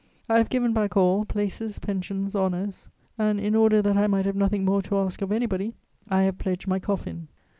I have given back all, places, pensions, honours; and, in order that I might have nothing more to ask of anybody, I have pledged my coffin.